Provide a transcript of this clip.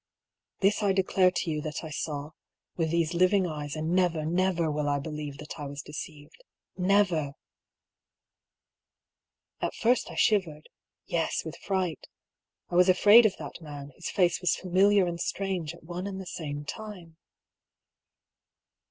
(This I declare to you that I saw, with these living eyes, and never, never will I believe that I was deceived. Never !) At first I shivered — ^yes, with fright. I was afraid of that man, whose face was familiar and strange at one and the same time.